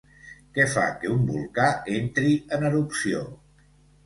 Què fa que un volcà entri en erupció?